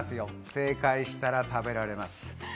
正解したら食べられます。